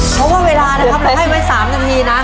เพราะว่าเวลานะครับเราให้ไว้๓นาทีนะ